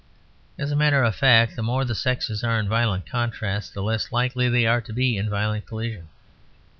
As a matter of fact, the more the sexes are in violent contrast the less likely they are to be in violent collision.